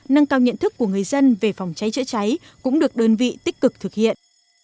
nâng cao nhận thức của người dân về phòng cháy chữa cháy cũng được đơn vị tích cực thực hiện